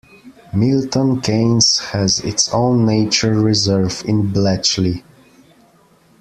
Milton Keynes has its own nature reserve in Bletchley.